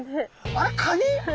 あれカニ？